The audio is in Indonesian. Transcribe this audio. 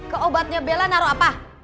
ke obatnya bella naruh apa